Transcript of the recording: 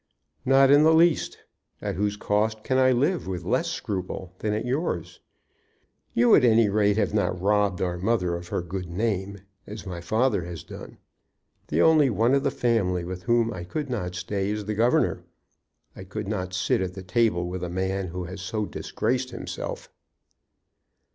"Not in the least. At whose cost can I live with less scruple than at yours? You, at any rate, have not robbed our mother of her good name, as my father has done. The only one of the family with whom I could not stay is the governor. I could not sit at the table with a man who has so disgraced himself."